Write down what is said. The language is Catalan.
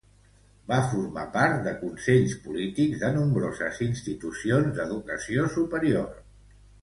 Va formar part de consells polítics de nombroses institucions d'educació superior.